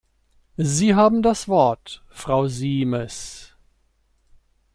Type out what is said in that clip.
Sie haben das Wort, Frau Siimes.